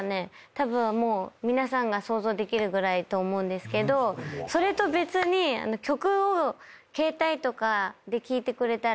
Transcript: たぶん皆さんが想像できるぐらいと思うんですけどそれと別に曲を携帯とかで聴いてくれたら。